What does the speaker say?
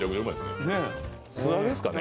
素揚げですかね